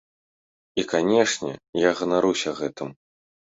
І, канешне, я ганаруся гэтым.